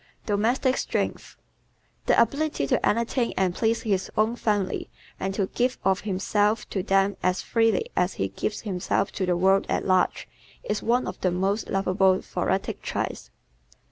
Domestic Strength ¶ The ability to entertain and please his own family and to give of himself to them as freely as he gives himself to the world at large, is one of the most lovable thoracic traits.